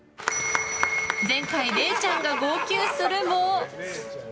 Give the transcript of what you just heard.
前回、れいちゃんが号泣するも。